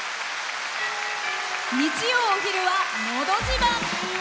日曜のお昼は「のど自慢」。